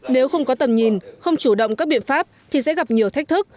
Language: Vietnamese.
nếu không có tầm nhìn không chủ động các biện pháp thì sẽ gặp nhiều thách thức